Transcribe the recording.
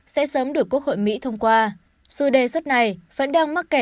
sẽ sớm được quốc hội mỹ thông qua dù đề xuất này vẫn đang mắc kẹt